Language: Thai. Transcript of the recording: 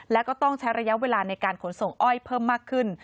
และก็ต้องใช้ระยะเวลาในการขนส่งอ้อยเพิ่มมากขึ้น